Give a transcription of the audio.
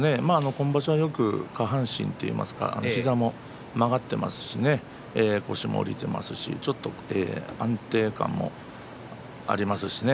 今場所はよく下半身といいますか膝も曲がっていますしね腰も下りていますしちょっと安定感もありますしね。